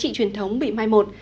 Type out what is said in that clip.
giá trị truyền thống bị mai một